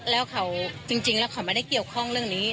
แล้วเขาจริงแล้วเขาไม่ได้เกี่ยวข้องเรื่องนี้